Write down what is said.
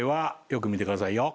よく見てくださいよ。